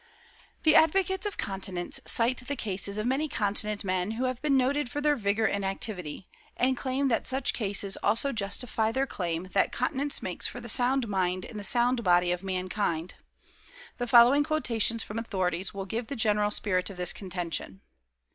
The advocates of continence cite the cases of many continent men who have been noted for their vigor and activity; and claim that such cases also justify their claim that continence makes for the sound mind in the sound body of mankind. The following quotations from authorities will give the general spirit of this contention.